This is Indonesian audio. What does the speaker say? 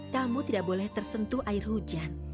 kamu tidak boleh tersentuh air hujan